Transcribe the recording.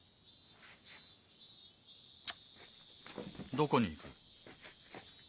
どこに行く？